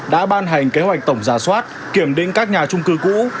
đã ban hành kế hoạch tổng giả soát kiểm định các nhà trung cư cũ